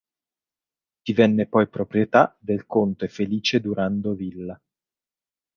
Divenne poi proprietà del conte Felice Durando Villa.